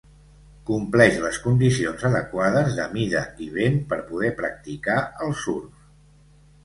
Compleix les condicions adequades de mida i vent per poder practicar el surf.